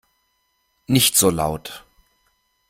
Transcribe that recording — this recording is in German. Nicht so laut!